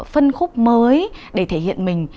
phân khúc mới để thể hiện mình